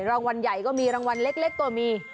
รางวัลใหญ่ก็มีรางวัลเล็กก็มี